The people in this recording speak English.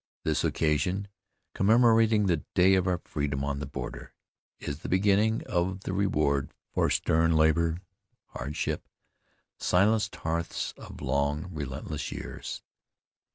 This occasion, commemorating the day of our freedom on the border, is the beginning of the reward for stern labor, hardship, silenced hearths of long, relentless years.